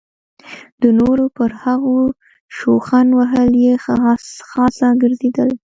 د نورو پر هغو شخوند وهل یې ښه خاصه ګرځېدلې.